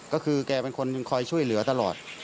ก็คือแกเป็นคนคอยช่วยเหลือตลอด